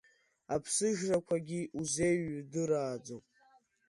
Аԥсыжрақәагьы узеиҩдырааӡом.